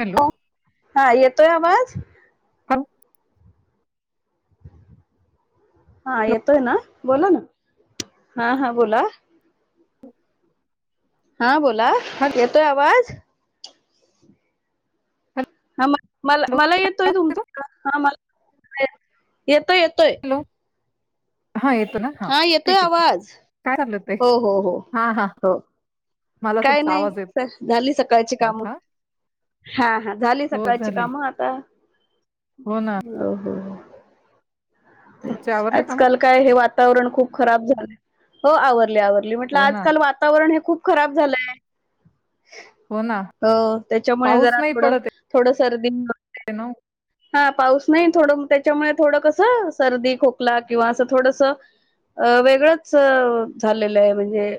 Hello हा येतोय आवाज? ह हा येतोय ना बोला ना हा हां बोला हा बोला हॅलो येतोय आवाज हॅलो हा म मला मला येतोय तुमच हॅलो हा मला येतोय येतोय हा येतो ना हा येतोय ठीकठी आहे आवाज काय चाललं ते हो हो हो हा हा हो मला काय तुमचा नाही आवाज येत झाली सकाळची कामं नव्हता हा हा झाली हो सकाळची झाली कामं आता हो ना हो हो तुमचे आवरले का मग आजकाल काय हे वातावरण खूप खराब झालं हो आवरले आवरले म्हटलं हो ना आजकाल वातावरण हे खूप खराब झालंय हो ना अ त्याच्यामुळे पाऊस जरा थोडं थोडं सर्दी तन हा पाऊस नाही थोडं त्याच्यामुळे थोडं कसं सर्दी खोकला किंवा असं थोडस अ वेगळंच झालेलं आहे म्हणजे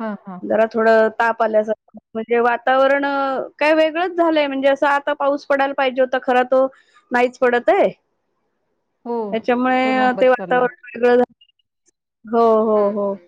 हा हा हा जरा थोडं ताप आल्यास म्हणजे वातावरण काय वेगळंच झालंय म्हणजे असं आता पाऊस पडायला पाहिजे होता खर तो नाहीच पडत आहे [unintelligible] तो त्याच्यामुळे लांबच ते चालला वातावरण वेगळं झालं हो हो हम्म, हो हम्म.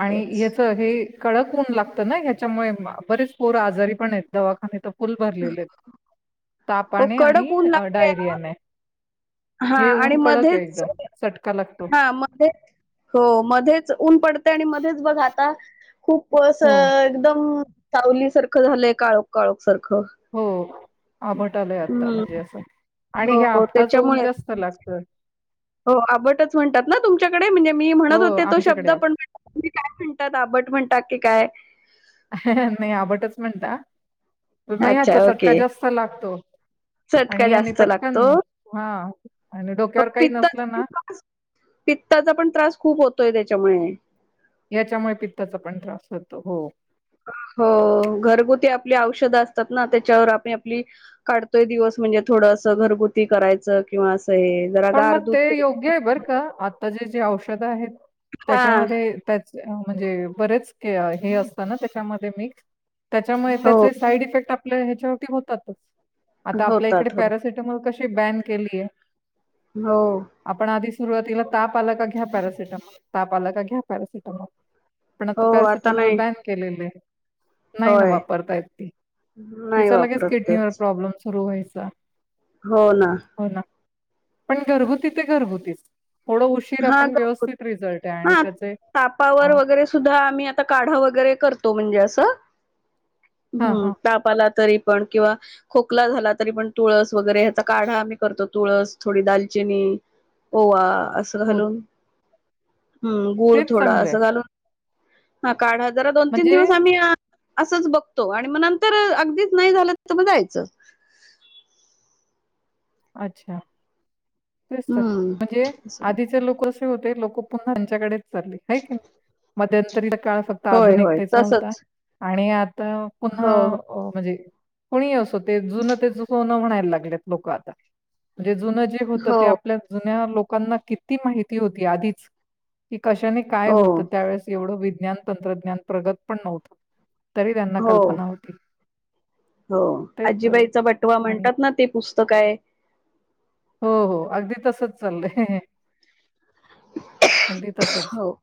आणि तेच याच हे कडक होऊन लागत ना ह्याच्यामुळे बरेच पोर आजारी पण आहेत दवाखानेत फुल भरलेले हो तापाने आणि कडक ऊन लागतय ना डायरियाने हा हे आणि ऊन कडक आहे एकदम मध्येच चटका लागतो. मध्ये हो मध्येच ऊन पडते आणि मध्येच बघ आता खूप असं हो एकदम सावली सारखं झालंय काळोख काळोख सारखं हो आभट आलंय आता हम्म म्हणजे असं आणि हो हे हो आपटाचं ऊन त्याच्यामुळे जास्त लागतं हो आवटच म्हणतात ना तुमच्याकडे म्हणजे मी हो म्हणत होते तो आमच्याकडे शब्द आप पण तुम्ही काय म्हणतात आबट म्हणताात की काय नाही आबटच म्हणता म ह्याचा अच्छा चटका ओके जास्त लागतो चटका आणि याने जास्त पटकन लागतो हा आणि डोक्यावर काही पित्ताचा नसलं पण ना त्रास पित्ताचा पण त्रास खूप होतोय त्याच्यामुळे याच्यामुळे पित्ताचा पण त्रास होतो हो हो घरगुती आपली औषधं असतात ना त्याच्यावर आपली आपली काढतोय दिवस म्हणजे थोडं असं घरगुती करायचं किंवा असं हे जरा पण गार मग दूध ते पे योग्य आहे बर का आता जे जे औषधं आहेत हा त्याच्यामध्ये म्हणजे बरेच हे असत ना त्याच्यामध्ये मिक त्याच्यामुळे हो त्या साईड इफेक्ट आपल्या ह्याच्यावर होतातच आता आपल्या इकडे होतात हो पॅरासिटमॉल कशी बॅन केलीय हो आपण आधी सुरुवातीला ताप आला का घ्या पॅरासिटमल ताप आला का घ्या पॅरासिटमल पण आता हो पॅरासिटमॉल नाही बॅन केलेले नाही ना होय वापरता यी नाही तिचा लगेच वापरत किडनीवर तेच प्रॉब्लेम सुरू व्हायचा हो ना हो ना पण घरहुती ते घरगुतीच थोडं उशीर हा आपण घरगुती व्यवस्थित रिझल्ट आहे आणि हा त्याचे तापावर सुद्धा आम् काढा वगैरे करतो म्हणजे असं हा हम् हा तापाला तरी पण किंवा खोकला झाला तरी पण तुळस वगैरे ह्याचा काढा आम्ही करतो तुळस थोडी दालचिनी ओवा असं हो घालून हम्म गुळ तेच थोडा चांगलं असं आहे घालून हा काढ हजार दोन तीन म्हणजे दिवस आम्ही असंच बघतो आणि मग नंतर अगदीच नाही झालं तर मग जायचं अच्छा तेच हम्म म्हणजे आधीचे लोक लोक पु्हाच्याकडेच चालले मध्यंतरी काळ होय होय आधुनिकतेचा होता तसच आणि आता पुन्हा हो म्हणजे कोुणीही असो ते जुनं ते जसो न म्हणायला लागलेत लोक आता म्हणजे जुनं जे होतं हो ते आपल्या जुन्या लोकांना किती माहिती होती आधीच की कशाने काय हो होतं त्यावेळेस एवढं विज्ञान तंत्रज्ञान प्रगत पण नव्हत तरी त्यांना हो कल्पना होती हो तेच तर आजीबाईचा बटवा आणि म्हणतात ना ते पुस्तक आहे हो हो अगदी तसच चाललय अगदी तसच हो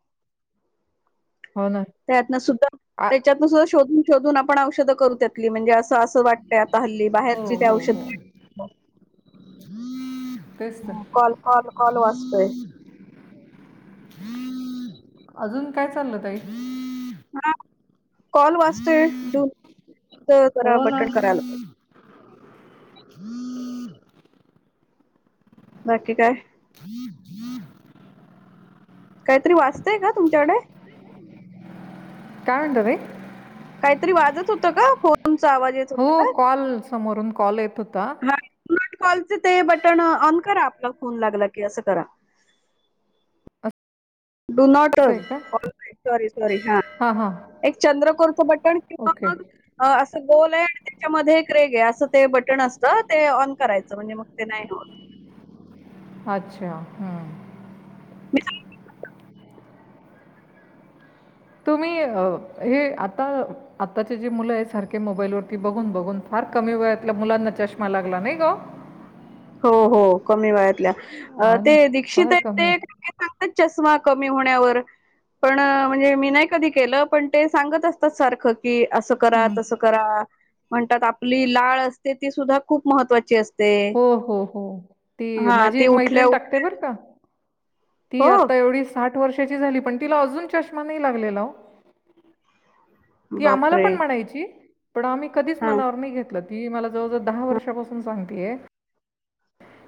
हो ना त्यातन सुद्धा आ त्याच्यातनं सुद्धा शोधून शोधून आपण औषधं करू म्हणजे असं असं वाटतय आता हल्ली हो, बाहेरची ते हो, हो. औषध तेच तर. कॉल कॉल कॉल वाचतोय अजून काय चाललं तई हा कॉल वाचतोय डून तर हो जरा ना. बटन करायला पाहिजे बाक्की काय ज जी काहीतरी वाचतय का तुमच्याकडे काय म्हणत मई काहीतरी वाजत होतं का फोनचा आवाज येत होता हो का कॉल समोरून कॉल येत होता नॉट कॉलचे ते बटन ऑन करा आपला फोन लागला की असं करा डू नॉट असं आहे का सॉरी सॉरी हा हां हां एक चंद्रकोरचं बटन किंवा ओके मग असं गोल आहे आणि त्याच्यामध्ये एक रेग आहे असं ते बटन असतं ते ऑन करायचं म्हणजे मुक्ते नाहीय अच्छा [unintelligible] तुम्ही हे आता आत्ताचे जी मुलं आहे सारखे मोबाईल वरती बघून बघून फार कमी वयातल्या मुलांना चष्मा लागला नाही ग हो हो कमी वयातल्या हा ना फार कमी आहे. सांतात चष्मा पण म्हणजे मी नाही कधी केलं पण ते सांगत असतात सारखं की असं करा हं. तस करा म्हणतात आपली लाळ असते ती सुद्धा खूप महत्त्वाची असते हो हो हो. हा ती उठल्या उठल्या हो साठ वर्षाची झाली पण तिला अजून चष्मा नाही लागलेला ती आम्हाला बापरे पण म्हणायची पण आम्ही कधीच हा मनावर नाही घेतलं, ती मला जवळजवळ दहा वर्षापासून सांगतेय,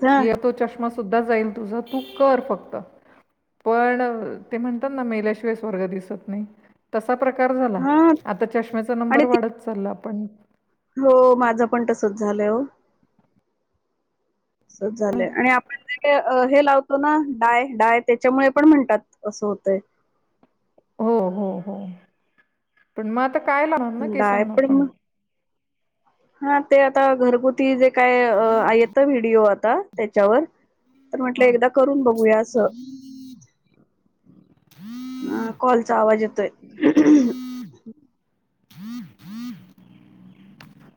हा कि तो चष्मा सुद्धा जाईल तुझ तू कर फक्त, पण ते म्हणतात ना मेल्याशिवाय स्वर्ग दिसत नाही, तसा प्रकार झाला हा आता चष्मेचा आणि नंबर ती वाढत चालला पण, हो माझं पण तसंच झालंय हो, अस झालंय आणि आपण का, अ हे लावतो ना डाय डाय त्याच्यामुळे पण म्हणतात असं होतंय हो हो हो पण मग आता काय लावणार ना डाय केसांना पण आपण, मग हा ते आता घरगुती जे काय आहेत ना व्हिडिओ आता त्याच्यावर तर म्हटलं हा, एकदा करून बघूया असं हा, कॉलचा आवाज येतोय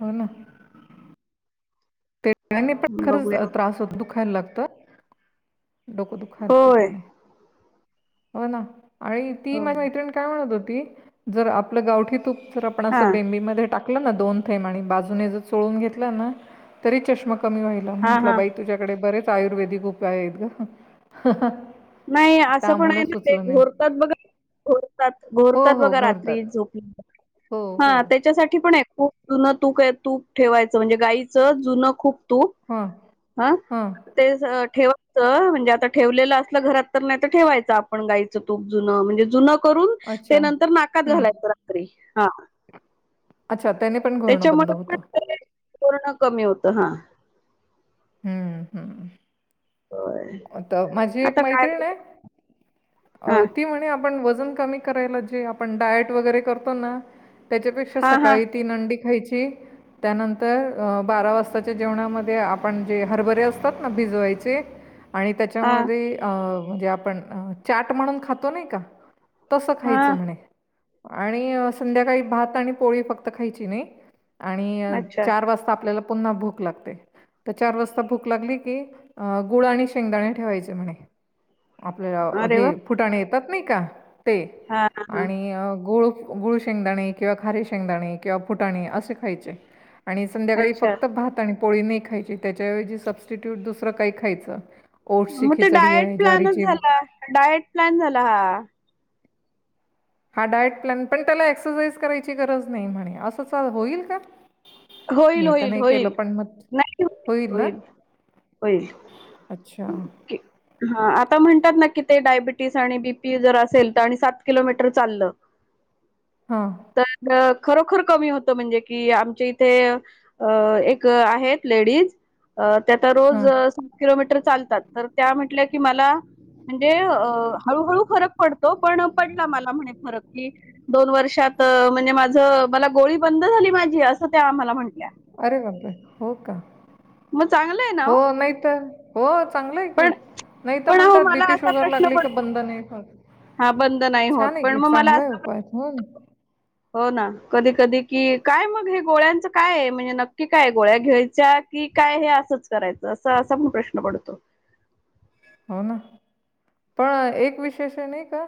हो ना, त्यानी पण खरंच बघूया त्रास होत दुखायला लागत, डोकं दुखातत होय त्याने हो ना, आणि ती माझी होय मैत्रिणी काय म्हणत होती जर आपलं गावठी तूप जर आपण हा असं बेंबीमध्ये टाक, कलना दोन थे आणि बाजूने जर चोळून घेतला ना तरी चष्मा कमी व्हाला हा म्हंटल हा बाई तुझ्याकडे बरेच आयुर्वेदिक उपाय आहेत ग, नाही असं पण आहे ना ते घोरतात बघा घोरतात हो, घोरतात हो बघा घोरतात. रात्री झोपली, हो, हो. हा. त्याच्यासाठी पण आहे खूप जुनं तूक आहे तूप ठेवायचं म्हणजे गायचं जुनं खूप, तूप हां, हा‌ हां. तेच ठेवाचं म्हणजे आता ठेवलेलं असत, घरात तर नाही तर ठेवायचं आपण गायचं तूप जुन म्हणजे जुनं, करून ते अच्छा. नंतर नाकात हं. घालायचं रात्री हा, अच्छा त्याने पण घोरणं बंद त्याच्यामुळे पण होतं, ते पूर्ण कमी होतं हा, हम्म होय हम्म तर माझी एक आता मैत्रीण काय आहे, अ हा ती म्हणे आपण वजन कमी करायला जे आपण डायट वगैरे करतो ना, त्याच्यापेक्षा हा हा सकाळी तीन अंडी खायची, त्यानंतर बारा वाजताच्या जेवणामध्ये आपण जे हरभरे असतात ना भिजवायचे, आणि हा त्याच्यामध्ये आ म्हणजे आपण अ चाट म्हणून खातो नाही का, तसं हा खायचं म्हणे आणि संध्याकाळी भात आणि पोळी फक्त खायची नाही, आणि अच्छा चार वाजता आपल्याला पुन्हा भूक लागते, तर चार वाजता भूक लागली की गुळ आणि शेंगदाणे ठेवायचे म्हणे आपल्या अरे वा हे फुटाणे येतात नाही का ते हा हा हा. आणि गोळ, गुळ शेंगदाणे किंवा खारीे शेंगदाणे किंवा फुटाणे असे खायचे, आणि संध्याकाळी अच्छा फक्त भात आणि पोळी नाही खायची त्याच्याऐवजी सबस्टिट्यूट दुसरं काही खायचं ओट्सची मग ते खिचडी डायट आहे, प्लॅनच ज्वारीची झाला डायट प्लॅन झाला हा. हा डायट प्लॅन पण त्याला एक्सरसाइज करायची गरज नाही म्हणे असंच होईल का होईल मी तर होईल नाही केलं होईल पण मग होईल ना होईल अच्छा, की हा आता म्हणतात ना की ते डायबिटीज आणि बीपी जर असेल तर आणि सात किलोमीटर चाललं. हा तर खरोखर कमी होतं म्हणजे कि, आमच्या ते अ एक आहेत लेडीज हां. किलोमीटर चालतात, तर त्या म्हटल्या कि मला म्हणजे अ हळूहळू फरक पडतो पण पडला मला म्हणे फरक की, दोन वर्षात म्हणजे माझ मला गोळी बंद झाली माझी असं त्या आम्हाला म्हटल्या. अरे बापरे हो का? मग चांगलं आहे ना हो नाही तर हो चांगलंय की, पण नाही तर पण अहो म्हणतात मला बीपी असा शुगर प्रश्न लागली क पडतो बंद नाही कर हा बंद नाही होत छान आहे पण की मग मला चांगलं आहे असा उपाय पण हो ना कधी कधी की काय मग हे गोळ्यांचं काय आहे म्हणजे नक्की काय गोळ्या घ्यायच्या की काय हे असंच करायचं असं असा पण प्रश्न पडतो. हो ना पण एक विशेष आहे नाही का?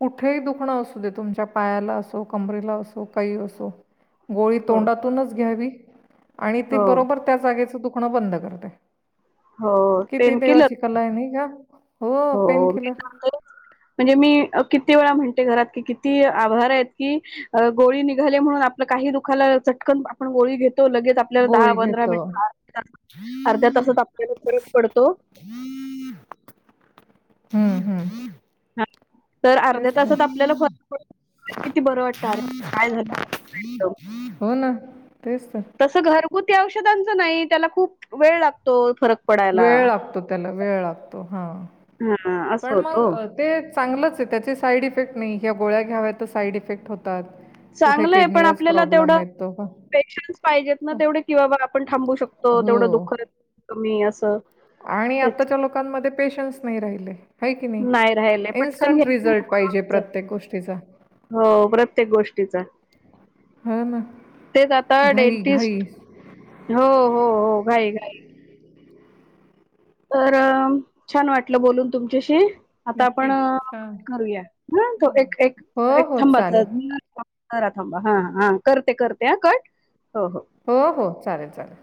कुठेही दुखणं असू दे तुमच्या पायाला असो कमरेला असो काही असो, गोळी हो तोंडातूनच घ्यावी आणि ती हो बरोबर त्या जागेचं दुखणं बंद करते हो किती पेनकिलर देवाची कला आहे नि का हो पेन मी किलर [unintelligible] करू म्हणजे मी किती वेळा म्हणते घरात की किती आभार आहेत की, अ गोळी निघाले म्हणून आपलं काही दुखाला चटकन आपण गोळी घेतो लगेच आपल्या दहा गोळी पंधरा घेतो मिनटात अर्ध्या [unintelligible] अर्ध्या तासात आपल्याला फरक पडतो. हम्म हम्म हम्म ह तर अर्ध्या तेच तासात तर आपल्याला फरक पड किती बरं वाटत अरे! झालं हो ना तेच तर तसं घरगुती औषधांचं नाही, त्याला खूप वेळ लागतो फरक पडायला. वेळ लागतो त्याला, वेळ लागतो, हं हा असं पण होत ओ मग ते चांगलंच ये, त्याचे साईड इफेक्ट नाही, ह्या गोळ्या घ्याव्या तर साईड इफेक्ट होतात. कुठे चांगलंय पण किडनीलाच आपल्याला प्रॉब्लेम तेवढं येतो. पेशन्स पाहिजेत ना तेवढे किंवा आपण थांबू शकतो, तेवढं दुःख हो. कमी असं आणि तेच आताच्या लोकांमध्ये पेशन्स नाही राहिले. आहे की नाही राहिले पटकन इन्स्टंट रिझल्ट पाहिजे घ्यायचं प्रत्येक गोष्टीचा. हो प्रत्येक गोष्टीचा हो ना. तेच आता घाई, घाई. डेंटिस्ट, हो हो हो घाई घाई तर छान वाटलं बोलून तुमच्याशी. आता आपण नक्की. छान. करूया हं तो. एक एक हो, हो. थांबा चालेल. [unintelligible] करा थांबा हा हां करते करते हं कट, हो हो हो हो चालेल चालेल.